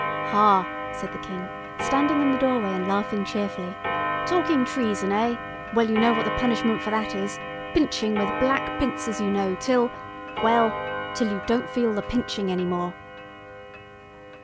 "Ha!" said the King, standing in the doorway and laughing cheerfully, "talking treason, eh? well, you know what the punishment for that is. Pinching with black pincers, you know, till—well—till you don't feel the pinching any more."